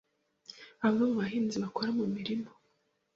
Bamwe mu bahinzi bakora mu murima.